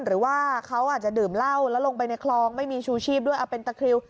หรือว่าเขาอาจจะดื่มเหล้าแล้วลงไปในคลองไม่มีชูชีพด้วยเอาเป็นตะคริว